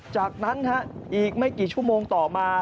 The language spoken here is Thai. จากนั้นอีกไม่กี่ชั่วโมงต่อมา